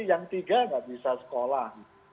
yang tiga nggak bisa sekolah